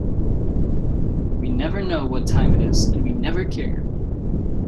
We never know what time it is, and we never care.